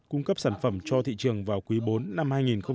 cung cấp sản phẩm cho thị trường vào quý bốn năm hai nghìn một mươi chín